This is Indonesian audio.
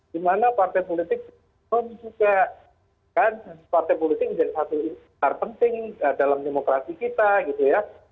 dimana partai politik juga kan partai politik menjadi satu hal penting dalam demokrasi kita gitu ya